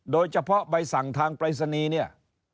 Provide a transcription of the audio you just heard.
โดยเฉพาะใบสั่งทางปรายศนีย์เนี่ย